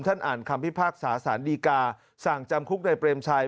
อ่านคำพิพากษาสารดีกาสั่งจำคุกในเปรมชัย